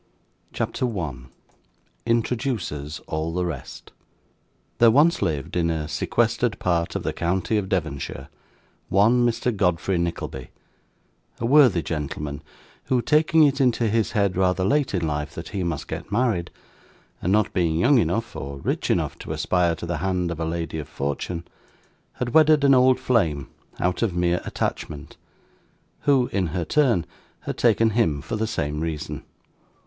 CHAPTER 1 Introduces all the Rest There once lived, in a sequestered part of the county of Devonshire, one Mr. Godfrey Nickleby: a worthy gentleman, who, taking it into his head rather late in life that he must get married, and not being young enough or rich enough to aspire to the hand of a lady of fortune, had wedded an old flame out of mere attachment, who in her turn had taken him for the same reason.